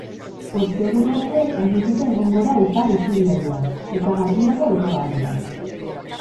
Ostegunean ere lainotuta egongo da ipar isurialdean, eta garbiago hegoaldean.